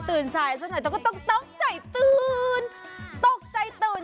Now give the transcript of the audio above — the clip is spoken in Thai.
ตื่นสายซักหน่อยต้องก็ต้องใจตื่นตกใจตื่น